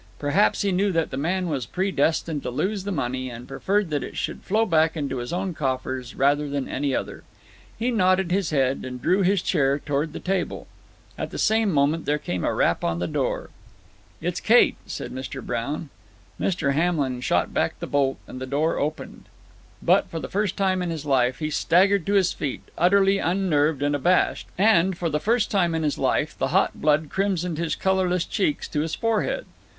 Perhaps he knew that the man was predestined to lose the money, and preferred that it should flow back into his own coffers rather than any other. He nodded his head, and drew his chair toward the table. At the same moment there came a rap upon the door. "It's Kate," said Mr. Brown. Mr. Hamlin shot back the bolt, and the door opened. But, for the first time in his life, he staggered to his feet, utterly unnerved and abashed, and for the first time in his life the hot blood crimsoned his colorless cheeks to his forehead.